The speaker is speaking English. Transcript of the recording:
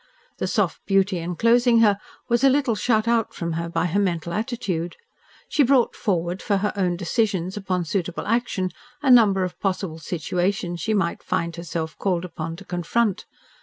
The soft beauty enclosing her was a little shut out from her by her mental attitude. She brought forward for her own decisions upon suitable action a number of possible situations she might find herself called upon to confront.